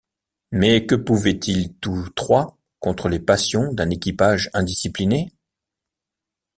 Mais que pouvaient-ils tous trois contre les passions d’un équipage indiscipliné?